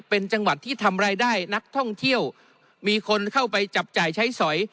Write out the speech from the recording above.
เป็นจังหวัดที่ทำรายได้นักท่องเที่ยวมีคนเข้าไปจับจ่ายใช้สอย